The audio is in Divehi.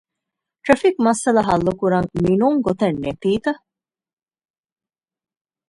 ޓްރެފިކް މައްސަލަ ހައްލުކުރަން މި ނޫން ގޮތެއް ނެތީތަ؟